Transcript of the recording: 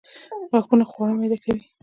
غاښونه خواړه میده کوي